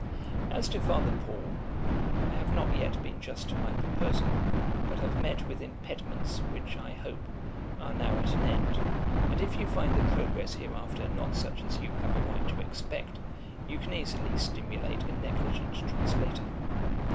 'As to Father Paul, I have not yet been just to my proposal, but have met with impediments, which, I hope, are now at an end; and if you find the progress hereafter not such as you have a right to expect, you can easily stimulate a negligent translator.